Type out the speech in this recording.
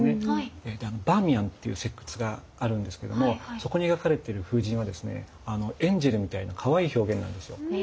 バーミヤンっていう石窟があるんですけどもそこに描かれている風神はですねエンジェルみたいなかわいい表現なんですよ。